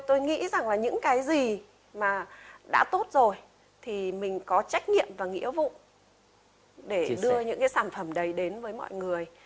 tôi nghĩ rằng là những cái gì mà đã tốt rồi thì mình có trách nhiệm và nghĩa vụ để đưa những cái sản phẩm đấy đến với mọi người